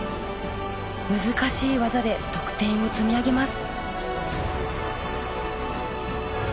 難しい技で得点を積み上げます。